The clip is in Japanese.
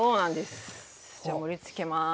じゃあ盛りつけます。